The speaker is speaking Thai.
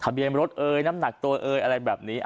เบียนรถเอ่ยน้ำหนักตัวเอยอะไรแบบนี้